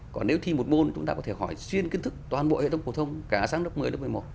còn nếu thi một môn chúng ta có thể hỏi xuyên kiến thức toàn bộ hệ thống phổ thông cả sang lớp một mươi lớp một mươi một